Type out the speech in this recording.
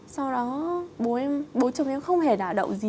sau đó bố chồng em không hề đã đậu gì